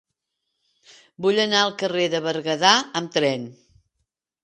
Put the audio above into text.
Vull anar al carrer de Berguedà amb tren.